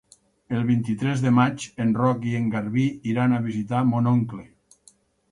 El vint-i-tres de maig en Roc i en Garbí iran a visitar mon oncle.